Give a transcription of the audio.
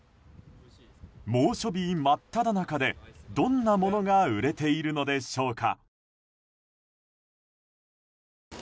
猛暑日真っただ中でどんなものが売れているのでしょうか。